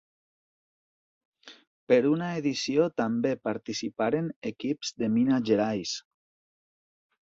Per una edició també participaren equips de Minas Gerais.